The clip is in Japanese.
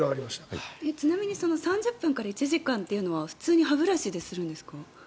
ちなみに３０分から１時間というのは普通に歯ブラシでするんですか？